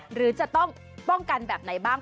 หรือจะต้องป้องกันแบบไหนบ้าง